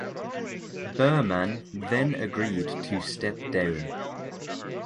Berman then agreed to step down.